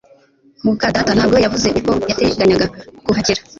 muka data ntabwo yavuze uko yateganyaga kuhagera